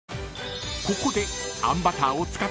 ［ここで］